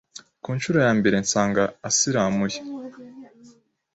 ku nshuro ya mbere nsanga asiramuye